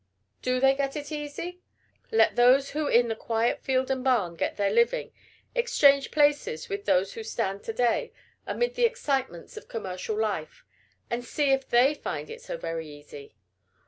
Do they get it easy? Let those who in the quiet field and barn get their living exchange places with those who stand to day amid the excitements of commercial life, and see if they find it so very easy.